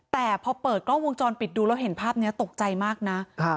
แต่พอเปิดกล้องวงจรปิดดูแล้วเห็นภาพนี้ตกใจมากนะครับ